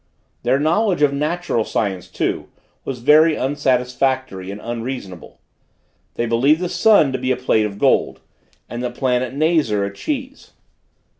Their knowledge of natural science too, was very unsatisfactory and unreasonable; they believed the sun to be a plate of gold, and the planet Nazar, a cheese.